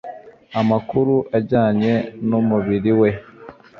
amakuru ajyanye n'umubiri we